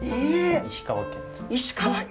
石川県。